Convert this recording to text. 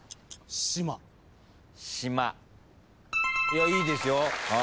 いやいいですよ。